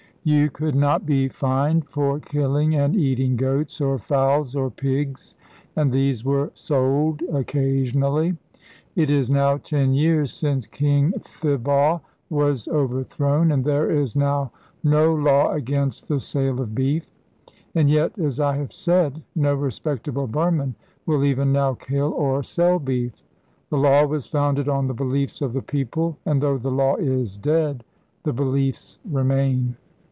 You could not be fined for killing and eating goats, or fowls, or pigs, and these were sold occasionally. It is now ten years since King Thibaw was overthrown, and there is now no law against the sale of beef. And yet, as I have said, no respectable Burman will even now kill or sell beef. The law was founded on the beliefs of the people, and though the law is dead, the beliefs remain.